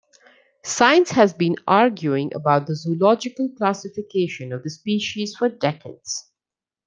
Science has been arguing about the zoological classification of the species for decades.